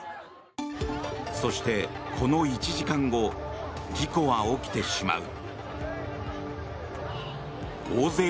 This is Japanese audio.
そして、この１時間後事故は起きてしまう。